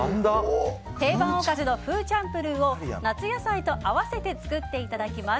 定番おかずのフーチャンプルーを夏野菜と合わせて作っていただきます。